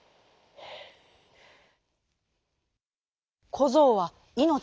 こぞうはいのち